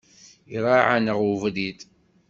Iraɛ-aneɣ ubrid.